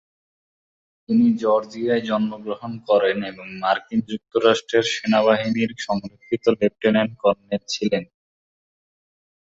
তিনি জর্জিয়ায় জন্মগ্রহণ করেন এবং মার্কিন যুক্তরাষ্ট্রের সেনাবাহিনীর সংরক্ষিত লেফটেন্যান্ট কর্নেল ছিলেন।